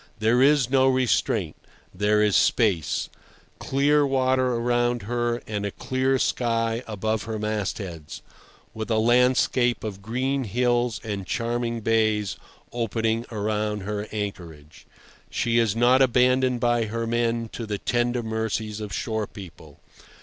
There is no restraint; there is space: clear water around her, and a clear sky above her mastheads, with a landscape of green hills and charming bays opening around her anchorage. She is not abandoned by her own men to the tender mercies of shore people.